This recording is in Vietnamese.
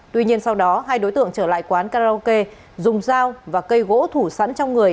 tuy nhiên sau đó hai đối tượng trở lại quán karaoke dùng dao và cây gỗ thủ sẵn trong người